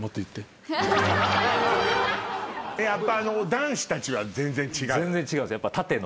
やっぱ男子たちは全然違う？